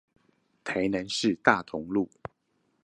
台南市大同路